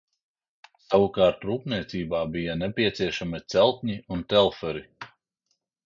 Savukārt rūpniecībā bija nepieciešami celtņi un telferi.